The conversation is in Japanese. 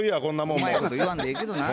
うまいこと言わんでええけどな。